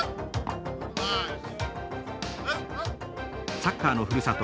サッカーのふるさと